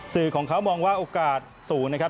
สื่อของเขามองว่าโอกาสสูงนะครับ